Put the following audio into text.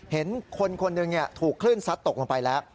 เห็นคนอย่างนี้ถูกขึ้นซัดตกลงไปแล้ว